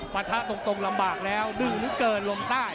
ปะทะตรงลำบากแล้วดึงเหลือเกินลงใต้